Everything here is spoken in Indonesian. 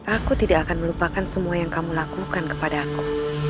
aku tidak akan melupakan semua yang kamu lakukan kepadaku